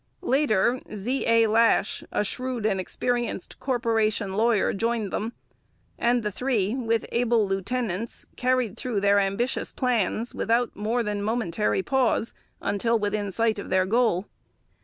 Later Z. A. Lash, a shrewd and experienced corporation lawyer, joined them, and the three, with able lieutenants, carried through their ambitious plans without more than momentary pause, until within sight of the goal.